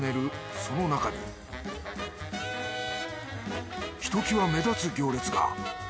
そのなかにひときわ目立つ行列が。